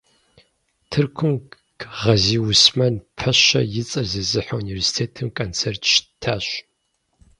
Тыркум Гъэзиуэсмэн пэщэ и цӀэр зезыхьэ университетым концерт щыттащ.